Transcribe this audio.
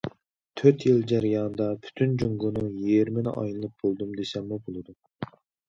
تۆت يىل جەريانىدا پۈتۈن جۇڭگونىڭ يېرىمىنى ئايلىنىپ بولدۇم دېسەممۇ بولىدۇ.